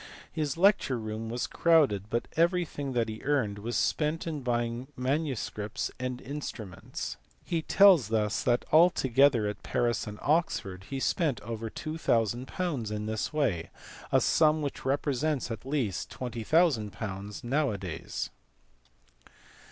His lecture room was crowded but everything that he earned was spent in. buying manuscripts and instruments. He tells us that altogether at Paris and Oxford he spent over 2000 in this way a sum which represents at least .20,000 now a days.